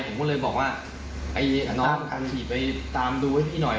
ผมก็เลยบอกว่าน้องการขี่ไปตามดูให้พี่หน่อย